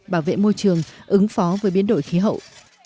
bảo vệ môi trường ứng phó với biến đổi khí hậu